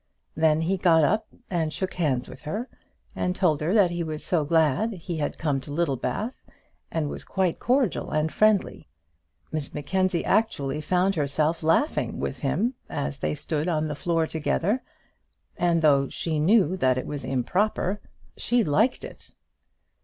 Then he got up, and shook hands with her, told her that he was so glad he had come to Littlebath, and was quite cordial and friendly. Miss Mackenzie actually found herself laughing with him as they stood on the floor together, and though she knew that it was improper, she liked it.